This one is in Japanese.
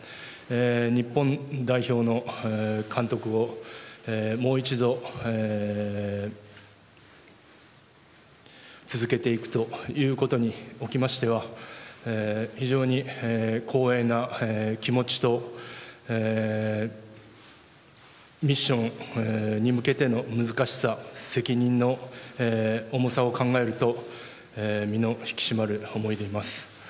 日本代表の監督をもう一度続けていくということにおきましては非常に光栄な気持ちとミッションに向けての難しさ責任の重さを考えると身の引き締まる思いでいます。